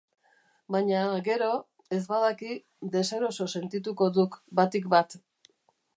Baina, gero, ez badaki, deseroso sentituko duk, batik bat.